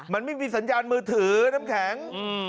มันไม่มีสัญญาณมือถือน้ำแข็ง